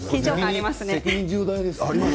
責任重大ですね。